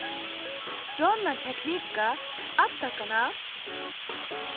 どんなテクニックがあったかな？